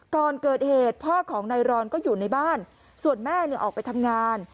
ก่อนเกิดเหตุพ่อของนายรอนก็อยู่ในบ้านส่วนแม่ออกไปทำงาน